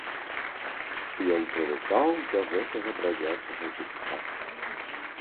Ён прывыкаў да гэтага брадзячага жыцця.